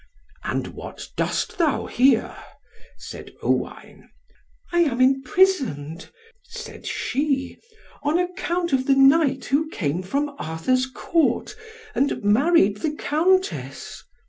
"And what dost thou here?" said Owain. "I am imprisoned," said she, "on account of the knight who came from Arthur's Court, and married the Countess.